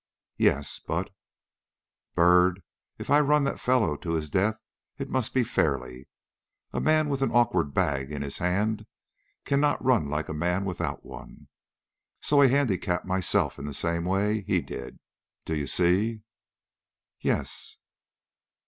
"Yes, but " "Byrd, if I run that fellow to his death it must be fairly. A man with an awkward bag in his hand cannot run like a man without one. So I handicap myself in the same way he did, do you see?" "Yes."